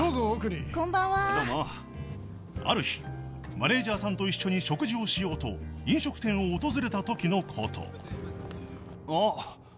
［ある日マネジャーさんと一緒に食事をしようと飲食店を訪れたときのこと］